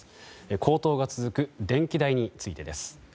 高騰が続く電気代についてです。